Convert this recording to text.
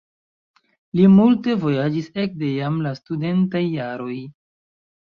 Li multe vojaĝis ekde jam la studentaj jaroj.